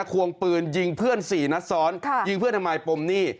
ควงปืนยิงเพื่อน๔นัดซ้อนยิงเพื่อนทำไมปมหนี้